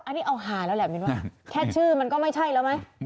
อันนี้เอาฮาแล้วแหละมินว่าแค่ชื่อมันก็ไม่ใช่แล้วไหม